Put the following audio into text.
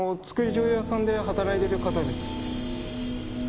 醤油屋さんで働いてる方です。